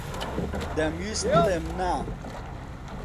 دەمویست بڵێم نا.